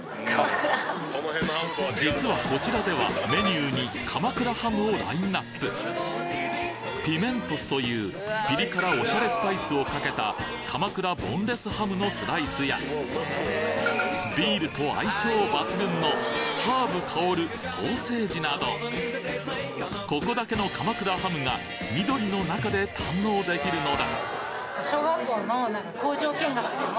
実はこちらではメニューに鎌倉ハムをラインナップピメントスというピリ辛オシャレスパイスをかけた鎌倉ボンレスハムのスライスやビールと相性抜群のハーブ香るソーセージなどここだけの鎌倉ハムが緑の中で堪能できるのだ